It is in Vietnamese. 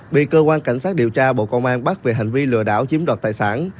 bị cơ quan cảnh sát điều tra bộ công an bắt về hành vi lừa đảo chiếm đoạt tài sản